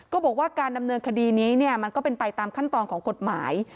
ก็บอกว่าการดำเนินคดีนี้มันก็เป็นไปตามขั้นตอนของกฎหมาย